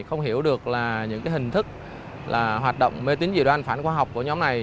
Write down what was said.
không hiểu được những hình thức hoạt động mê tính dự đoan phản khoa học của nhóm này